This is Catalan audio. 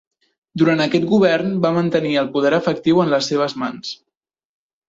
Durant aquest govern, va mantenir el poder efectiu en les seves mans.